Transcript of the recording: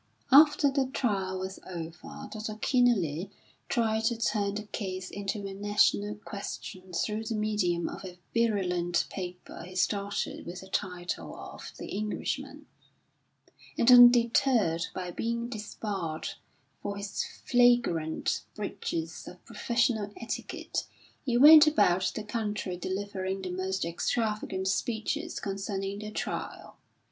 After the trial was over, Dr. Kenealy tried to turn the case into a national question through the medium of a virulent paper he started with the title of the Englishman; and undeterred by being disbarred for his flagrant breaches of professional etiquette, he went about the country delivering the most extravagant speeches concerning the trial.